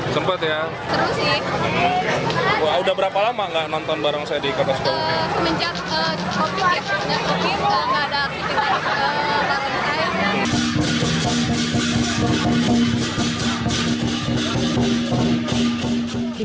sempat ya udah berapa lama nggak nonton barongsai di